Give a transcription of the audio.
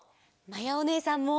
まやおねえさんも！